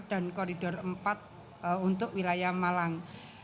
dan koridor empat untuk wilayah malang